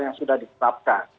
yang sudah ditetapkan